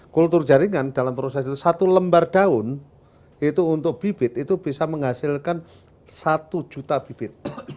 kultur jaringan dalam proses itu satu lembar daun itu untuk bibit itu bisa menghasilkan satu juta bibit